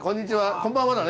こんばんはだね。